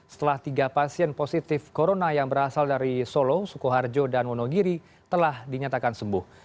setelah tiga pasien positif corona yang berasal dari solo sukoharjo dan wonogiri telah dinyatakan sembuh